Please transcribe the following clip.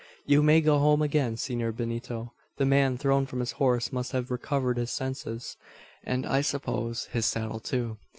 "You may go home again, Senor Benito! The man thrown from his horse must have recovered his senses and, I suppose, his saddle too.